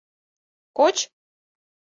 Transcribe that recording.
— Коч!